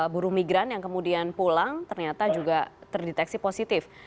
buru migran yang kemudian pulang ternyata juga terdeteksi positif